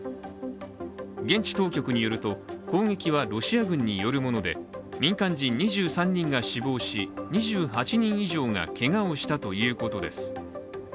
現地当局によると攻撃はロシア軍によるもので民間人２３人が死亡し２８人以上がけがをしたということです。